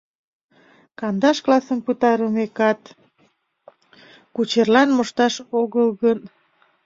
Кандаш классым пытарымекат, кучерлан мошташ огыл гын...